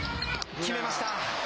決めました。